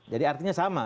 jadi artinya sama